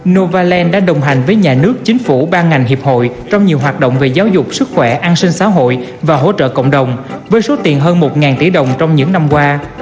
novaland đã đồng hành với nhà nước chính phủ ban ngành hiệp hội trong nhiều hoạt động về giáo dục sức khỏe an sinh xã hội và hỗ trợ cộng đồng với số tiền hơn một tỷ đồng trong những năm qua